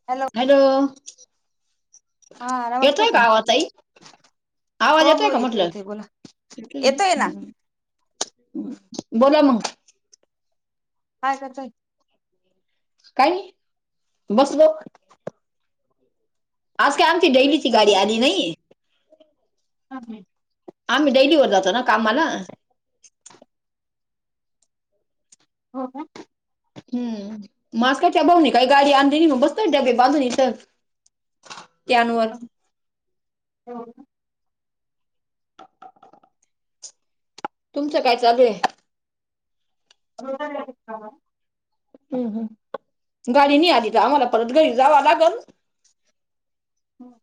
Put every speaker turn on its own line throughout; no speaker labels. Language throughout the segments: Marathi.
हॅलो
हॅलो
हा नमस्कार
येतय
ताई
का वाताई आवाज
हो
येतोय
हो
का म्हटलं
येतोय बोला येतोय ना
बोला म
काय कर
काय बसलो आज काय आमची डेलीची गाडी आली नाही
ह ह
आम्ही डेलीवर जातो ना कामाला
हो
हम् मास्सकच्या भाऊणे काही गाडी आणली मग बसत डबे बांधूनणी तर त्यानवर
हो
तुमचं काय चालू आहे
होज का
हम् हम गाडी नाही आली तर आम्हाला परत घरी जावं लागल
होम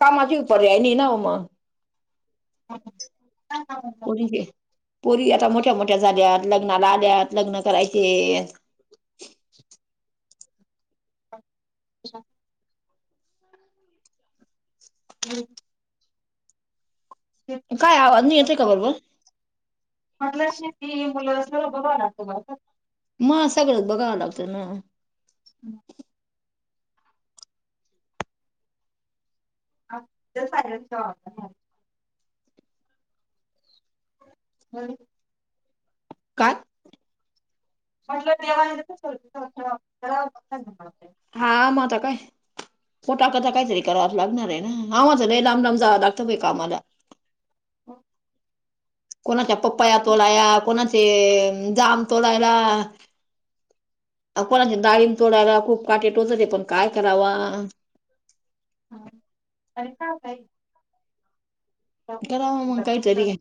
कामाची पर्याय नाही ना मग
ह हा ह
पोरीचे पोरी आता मोठ्या मोठ्या झाल्यात लग्नाला आल्यात लग्न करायचे
अच्छा [inaudible]
काय आवाज नाही येतोय का बरोबर
[inaudible] म्हटलं शेती मुलं अस बघा लागतो
म सगळंच बघावं लागतं ना
हम् ह ते साय ह
काात
म्हटलं तेव येत
हा मता काय पोटाकता काहीतरी कर लागणार आहे नावाझ झालं लांब लाम जा लागत बा काम्हाला
हो
कोणाच्या पप्पाया तोडया कोणाचे जाम तोडयला अ कोणाच्या ाळीम तोडायला खूप काटे टोत ते पण काय करावा
ह अरे का काही
क मग काय कररी आहे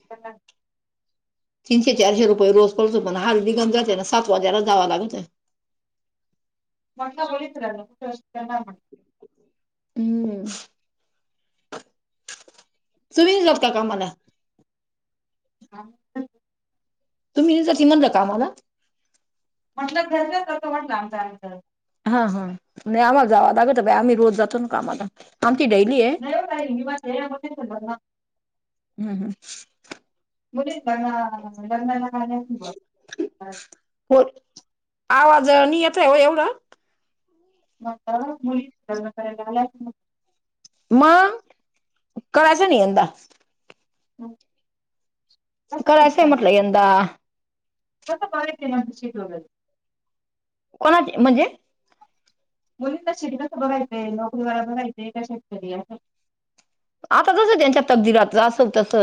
तीशे चारे रुपये रोज पल्लस म्हण हार बिगन ज जााते ना सात वाजारे जावा लागतं
मण उओितरठ
हम्म सुम जात कामाला
हा
तुम्ही नाही ज त म्हणता आम्हाला
म्हटलं लं तसं म्हटलं आमच्यार
हा हा म्ह आम्हा जावा लाागत बाई आमही रोज जातो ना का आम्हाला आमची डडेली आहे
नाही हो ताई मी म्हणते मुलीच लग्न बना जनाला का
हो आवाज नियत आहे हो एवढं
मग मुली करायला आय
म करायच नि यंद
ह
खरं असंय म्हटलं यंदा
स्त पायती न भशील
कोणाची म्हणजे
मुली शेड कसं बघायचंय नोकरी व बघायचय का शेतकरी असं
आता तसं त्यांच्या तबदीलात असं तस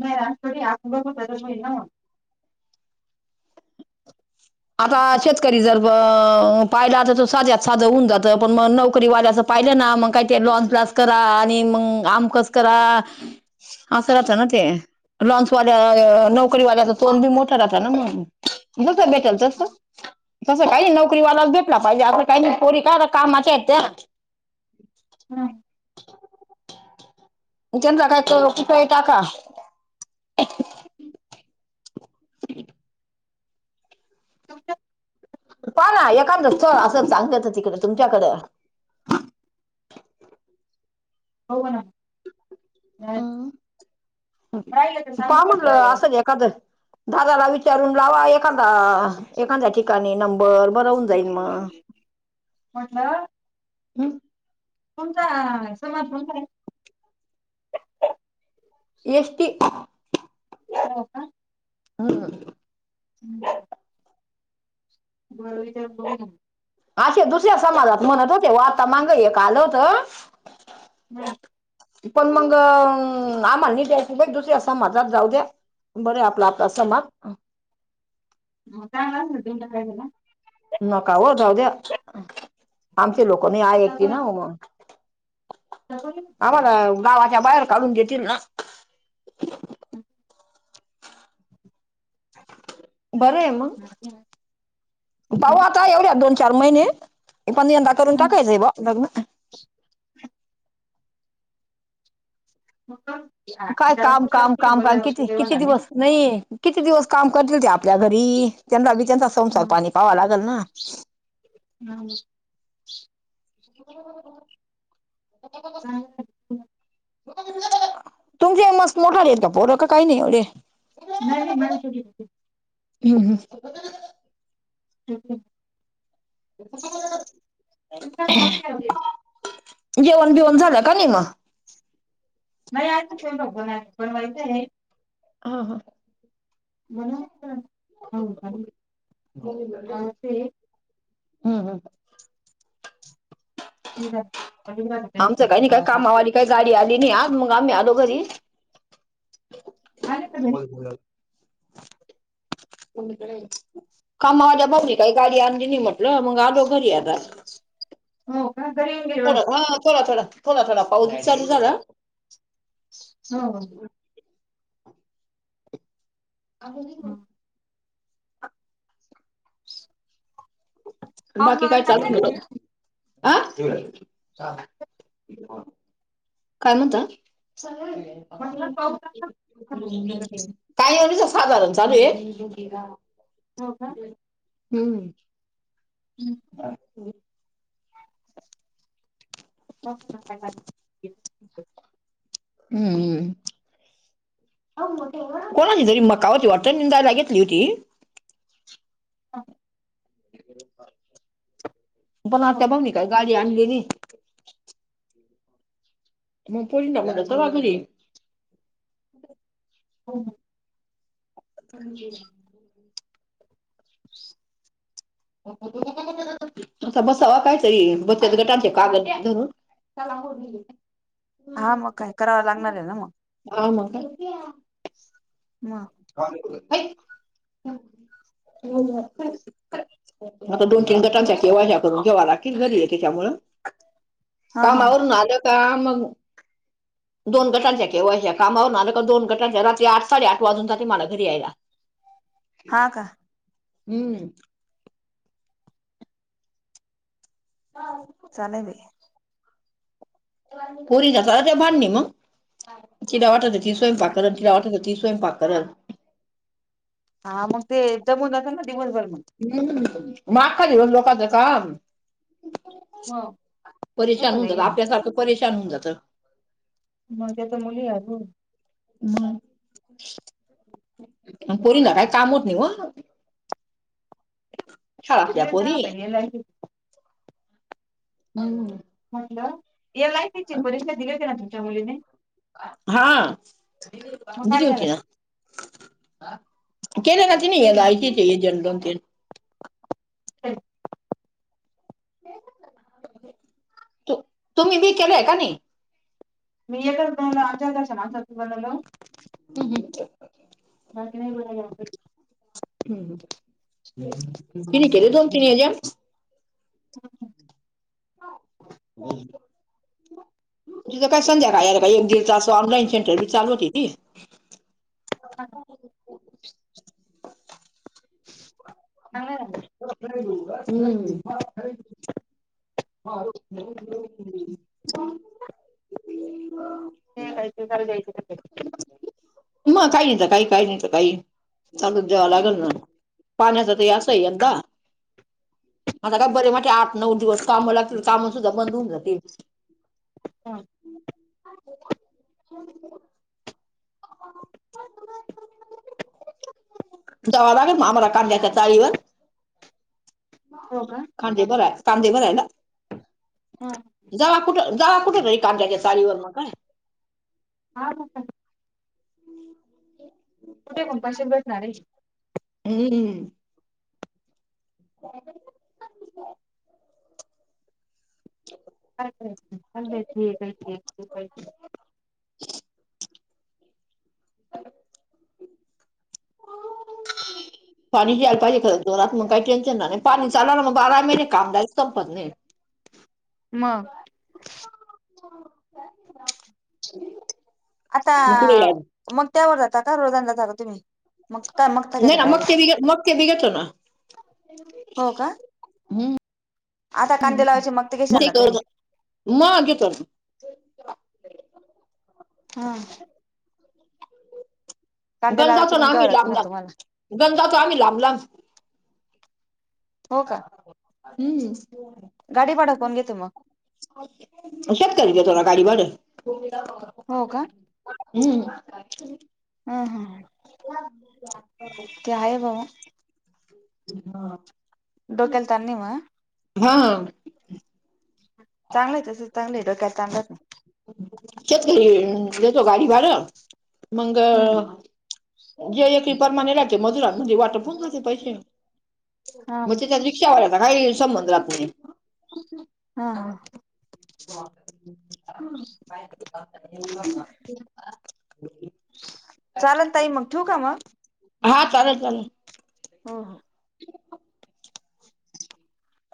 म ोडी आप क ना
आता शेतकरी जर पाहिला तर त साध्यात साधं होऊन जातं पण मग नोकरी वाल्याचं पाहिलं ना मग काही ते लॉन प्लास करा आणि मग आमकस करा हा सरता ना ते लं्च वाल्या्या नोकरी वाल्याचा तोन बी मोठा राहता ना मत बेटल तस तस काही नोकरीवालाच भेटला पाहिजे अ काही पोरी का कामाच्या आहेत त्या
हम
जा काय कुपही टाका
तुमचं
प ना एखा असं चांगलंत तिकडे तुमच्याकडें
हो ना नाही
पा म्हलं
म्हटलं
असं क दादाला विचारून लावा एखादा एखादा्या ठिक नंबर बन जाई म
म्हटलं तुमचा समाज कोणता आहे
एष्टी
हो का
हा
हम् बर तर बोल ना
असे दुसऱ्या समाजात म्हणत होते व आता मग हे का आलं होत
हम्
पण मग आमली द्यायची ब दुसर अस माझात जाऊ द्या बर आपला आपला समाज
चांगला असल तीन टकायला
नका हो जाऊद्या आमचे लोकनी आहे एकती ना मग
सग
आम्हाला गावाच्या बाहेर काढून देतील ना
तर
बरं आहे मग
नाही
पाहू
आहे
आता एवढ्या दोन चार महिने पण यंदा करून टाकायचं ब लग्न
ह मग
काय काम काम
जालपूर
काम
ब
काम किती किती
देवना नाही
दिवस नाही किती दिवस काम करतील ते आपल्या घरी त्यांगी त्यांचा संसार
हम
पाणी पाहावा लागेल ना
हा स्वयंपाक
[inaudible] तुमच्या एक मस्त मोठाले का पोर का काही नाही एवढे
नाही नाही माझ छटी
हम् ह
क
जेवण बिवन झालं का नाही
नाही आताच ल बन बनवायचं आहे
हा हा
म्हण
हम्
ते
हम् आमचं काही नाही काय कामावाली
श
काही गाडी आली नाही आ मग आम्ही आलो घरी
घरी
हो बला कामा्या बघली काही गाडी आणली म्हट ल मग आलो घरी आता
हो पण तरी
थोड हा थोड थोा थोड थोडा पाऊस चालू झा
हम
अ हो
हो पाऊस
बाकी काय
वगैरे चांगला
चाल
आहे का तिकडे
ह काय म्हणत
म्हटलं पाऊतुसक
काही आणच साधारण ल ए हम्म
ह ह ह ह [unintelligible]
हम्मम कोणाची जरी मका होती वर्तन जायला घेतली होती.
हां.
पण
हो
त्या्या पाऊ नि काय गाडी आणनलीली मग पंद म्हण घरी
हो
पण ह्
[unintelligible]
[unintelligible] तुचा बसावा काय तरी बचत गटांचे कागद धरून त्याला
हा मग काय करावं लागणार आहे ना मग
आम का
म
[unintelligible] आता दोन तीन गटांच्या केवाज्या करून जेव्हा राखेील झारीलीय त्याच्यामु
हा हा
कामावरून आ ग दोन गटांच्या केव्हा कामावरणार दोन गटांच्या रात्री आठ साडे आठ वाजून ज मला घरी यायला
हा का
हम्म ह
चाले भ
पुरी घसा ते भांडणी मग तिला वाटतं ती स्वयंपाककरण तिला वाटतं ती स्वयंपाककरण
हा मग ते एकदमन सां का दिवसभर
ह माग खा दिव लोकांचं काम
मग
परेशान
झोप
होऊन
नाही
जात
येणार
आपल्यासारखं परेशान होऊन जात
मझ्या तर मुली आू
मग परी काय काम होत नाही व शाळातल्या
त
पोरी
पय
होम
म्हटलं यालाय त्यािची परीक्षा दिली होती ना तुमच्या मुलीने
हा
मग
जली
काय झालं
होती ना कर खात
दिली ना
नाहीलायचे आहे जनलूनतेल
हं
त तुम्ही बी केलंय का नाही
मी येतो आचारश ना बलो
हम् हम्
हग नाही ब
ह ति केले तोन तिन हजा
हो ह
हम् तुझं काय संध्याका कायर काय एक दिस तास ऑनईन सेंरी चालव होती ती
हां चांगलं
हम्म ह
ते द्यायला की
म काही नाही तर काही काही नाही तर काही चालू द्या लागल
मग
ना पाण्याचा काय असय यंदा, आता काय बरे माझे आठ नऊ दिवस काम लागतील. कामं सुद्धा बंद होऊन जाते.
हा
ह हो [inaudible] जाव लागल ना आम्हाला कांद्याचा चाळीवर
हो का
कांदे भराय कांदे भरायला.
हा
जाव कुठं, जाव कुठे र काद्याच्या चाळीवर काय
हा कुठे [unintelligible]
हम हो
अ अ [unintelligible]
अ [unintelligible] हो [unintelligible] पाणी यायला काय. खरं जोरात मग काही टेन्शन नाही. पाणी चाला ना मग बारा महिने काम जायच संपत नाही. [inaudible]
हा
[unintelligible]
आता
मग कुठे यायला
मग, त्यावर जाता का? रोज आणायला जाता तुम्ही, मग काय मगता
नाही
घ्यायचं
ना मग
डायरेक्ट
ते मग तेम घेतल ना
हो का
हम,
आता
हम
कांदे लावायचे मग ते घेशाल
नाही
ना तुम्ही
कळणा. बघा की तर,
हा कांदे लावायचे
गंजातून
पण
आम्ही
घ्यावं लागते
लांब
ना तुम्हाला
लांब गंजाचो आम्ही लांबलाब
हो का,
हम्म.
गाडी भाडं कोण घेत मग
शेतकरी घेतो ना गाडी भाडं
हो का
हम्म
हा हा ते आहे. म्हणा,
हा
डोक्याला ताण नाही न्हव.
हा
चांगलं आहे. तसं चांगलं आहे. डोक्याला तान नाही.
शेतकरी देतो. गाडी भाड मंग
हम्म हम्म
जे एक एकेक प्रमाने राहते. मजुरात म्हणजे वाटप होऊन जाते पैसे मग
हा
वरचे ठेवलं की काही संबंध जात नाही.
हा हा
हो ह [unintelligible]
चालेल. ताई मग ठेवू का मग.
हा चालेल चालेल.
हो हो
ह [unintelligible]